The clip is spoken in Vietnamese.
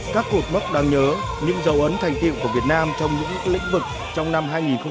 các cuộc mất đáng nhớ những dấu ấn thành tiệu của việt nam trong những lĩnh vực trong năm hai nghìn một mươi chín